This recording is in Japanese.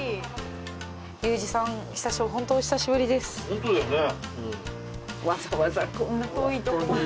ホントだよね。